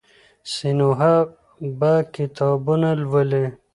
سینوهه به کتابونه لولي.